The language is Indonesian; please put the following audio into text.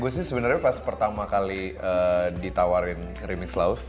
gue sih sebenarnya pas pertama kali ditawarin remix love